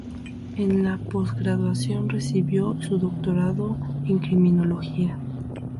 En la post-graduación recibió su doctorado en criminología.